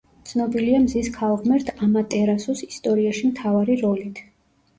ცნობილია მზის ქალღმერთ ამატერასუს ისტორიაში მთავარი როლით.